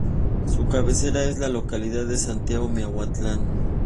Su cabecera es la localidad de Santiago Miahuatlán.